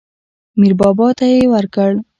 میر بابا ته یې ورکړ.